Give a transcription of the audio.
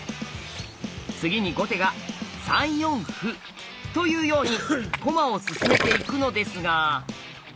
次に後手が３四歩。というように駒を進めていくのですが。